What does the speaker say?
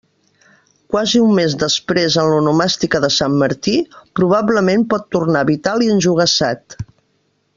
Quasi un mes després en l'onomàstica de Sant Martí, probablement pot tornar vital i enjogassat.